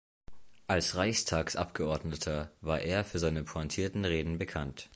Als Reichstagsabgeordneter war er für seine pointierten Reden bekannt.